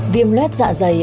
viêm lết dạ dày